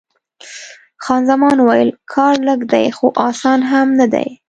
خان زمان وویل: کار لږ دی، خو اسان هم نه دی.